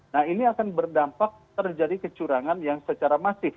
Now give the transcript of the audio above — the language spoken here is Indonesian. nah ini akan berdampak terjadi kecurangan yang secara masif